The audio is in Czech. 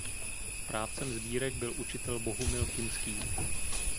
Správcem sbírek byl učitel Bohumil Kinský.